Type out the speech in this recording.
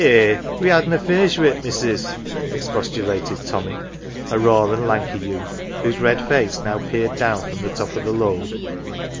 "Eh, we hadna finished wi\ Missus,"" expostulated Tommy, a raw and lanky youth, whose red face now peered down from the top of the load.